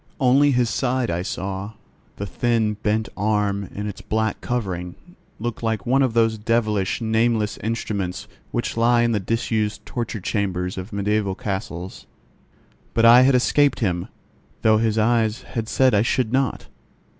Only his side I saw; the thin bent arm in its black covering looked like one of those devilish, nameless instruments which lie in the disused torture chambers of mediaeval castles. But I had escaped him, though his eyes had said I should not.